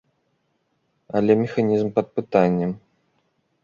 Але механізм пад пытаннем.